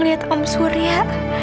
lihat om surya